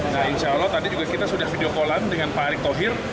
nah insya allah tadi juga kita sudah video call an dengan pak erick tokir